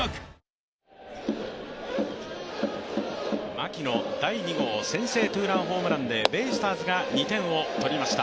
牧の第２号先制ツーランホームランでベイスターズが２点を取りました。